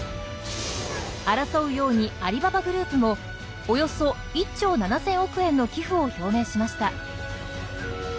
争うようにアリババグループもおよそ１兆７０００億円の寄付を表明しました。